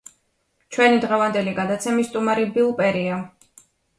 ჩვენი დღევანდელი გადაცემის სტუმარი ბილ პერია.